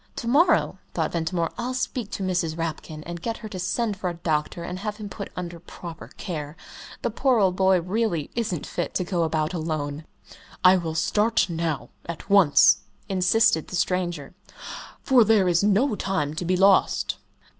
"To morrow," thought Ventimore, "I'll speak to Mrs. Rapkin, and get her to send for a doctor and have him put under proper care the poor old boy really isn't fit to go about alone!" "I will start now at once," insisted the stranger "for there is no time to be lost."